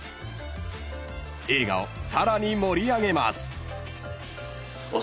［映画をさらに盛り上げます］